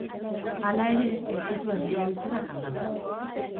Hala ere, ez zituen bere ohiturak aldatu.